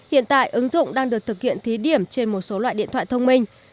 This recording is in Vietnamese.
hiện tại ứng dụng đang được thực hiện thí điểm trên một số loại điện thoại thông minh